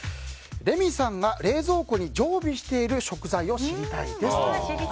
レミさんが冷蔵庫に常備している食材を知りたいですと。